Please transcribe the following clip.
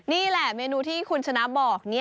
นี่แหละเมนูที่คุณชนะบอก